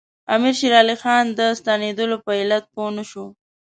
امیر شېر علي خان د ستنېدلو په علت پوه نه شو.